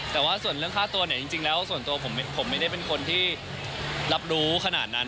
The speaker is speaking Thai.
แต่ว่าส่วนเรื่องค่าตัวเนี่ยจริงแล้วส่วนตัวผมไม่ได้เป็นคนที่รับรู้ขนาดนั้น